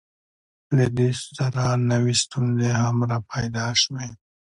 له دې سره نوې ستونزې هم راپیدا شوې.